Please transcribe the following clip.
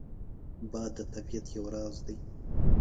باد د طبیعت یو راز دی